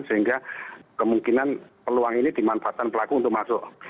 sehingga kemungkinan peluang ini dimanfaatkan pelaku untuk masuk